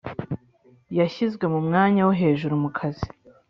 Yashyizwe mu mwanya wo hejuru mukazi